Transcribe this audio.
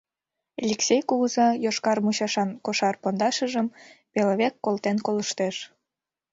Элексей кугыза йошкар мучашан кошар пондашыжым пел век колтен колыштеш.